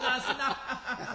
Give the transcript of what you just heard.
ハハハハ。